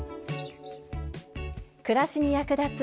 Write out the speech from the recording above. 暮らしに役立つ